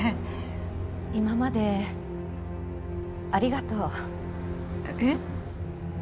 今までありがとう。えっ？